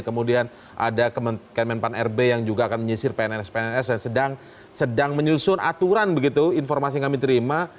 kemudian ada kemenpan rb yang juga akan menyisir pns pns yang sedang menyusun aturan begitu informasi yang kami terima